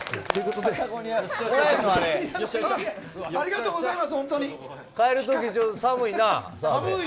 ありがとうございます！